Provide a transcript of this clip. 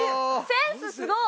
センスすごい！